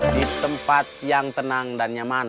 di tempat yang tenang dan nyaman